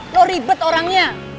lo ribet orangnya